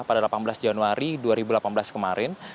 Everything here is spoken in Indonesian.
pada delapan belas januari dua ribu delapan belas kemarin